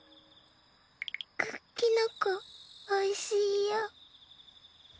クッキノコおいしいよ。